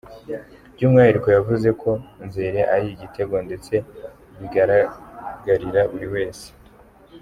By’umwihariko yavuze ko Nzere ‘ari igitego ndetse bigaragarira buri wese’.